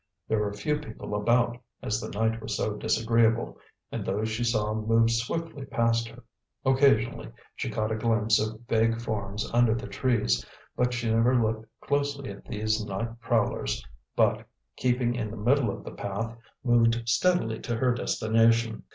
There were few people about, as the night was so disagreeable, and those she saw moved swiftly past her. Occasionally she caught a glimpse of vague forms under the trees: but she never looked closely at these night prowlers, but, keeping in the middle of the path, moved steadily to her destination.